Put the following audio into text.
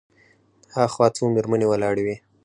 هاخوا څو مېرمنې ولاړې وې.